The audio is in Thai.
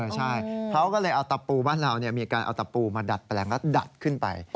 ใช่เขาก็เลยเอาตะปูบ้านเรามีการเอาตะปูมาดัดแปลงแล้วดัดขึ้นไป